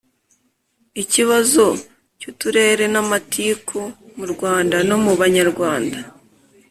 ikibazo cy'uturere n' amatiku mu rwanda no mu banyarwanda